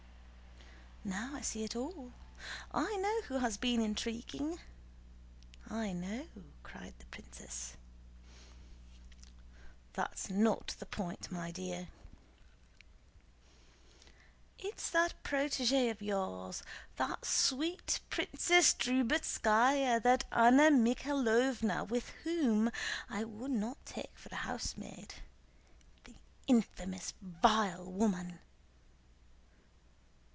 "Now I see it all! I know who has been intriguing—I know!" cried the princess. "That's not the point, my dear." "It's that protégé of yours, that sweet Princess Drubetskáya, that Anna Mikháylovna whom I would not take for a housemaid... the infamous, vile woman!"